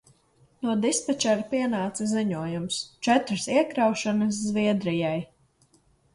No dispečera pienāca ziņojums: četras iekraušanas Zviedrijai.